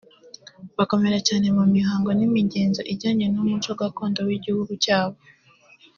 bakomera cyane ku mihango n’imigenzo ijyanye n’umuco gakondo w’igihugu cyabo